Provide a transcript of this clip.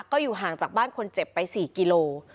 ก็อยู่ห่างจากบ้านคนเจ็บไป๔กิโล